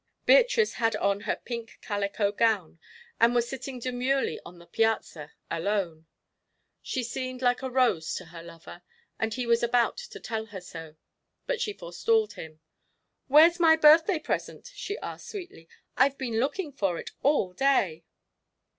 Beatrice had on her pink calico gown, and was sitting demurely upon the piazza alone. She seemed like a rose to her lover, and he was about to tell her so, but she forestalled him. "Where's my birthday present?" she asked, sweetly; "I've been looking for it all day!"